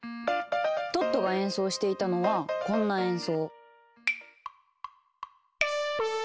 トットが演奏していたのはこんな演奏。